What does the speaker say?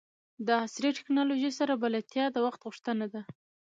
د عصري ټکنالوژۍ سره بلدتیا د وخت غوښتنه ده.